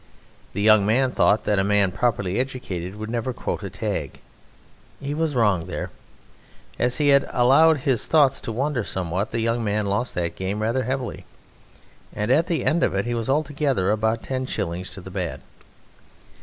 The young man thought that a man properly educated would never quote a tag: he was wrong there. As he had allowed his thoughts to wander somewhat the young man lost that game rather heavily, and at the end of it he was altogether about ten shillings to the bad.